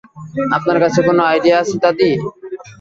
আপনার কাছে কোন আইডিয়া আছে দাদী?